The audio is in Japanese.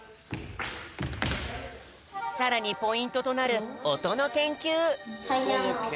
さらにポイントとなるおとのけんきゅう。